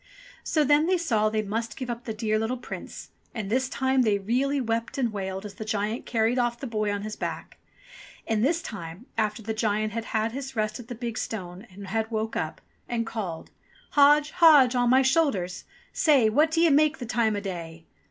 So then they saw they must give up the dear little Prince, and this time they really wept and wailed as the giant carried off the boy on his back. And this time, after the giant had had his rest at the big stone, and had woke up and called : NIX NAUGHT NOTHING 183 "Hodge, Hodge, on my shoulders ! Say What d'ye make the time o' day